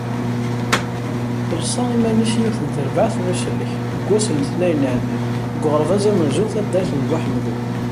Treṣṣa iman-is yiwet n terbaɛt n usellek deg wass n letnayen iεeddan, deg uɣerbaz amenzu n taddart n Buḥamdun.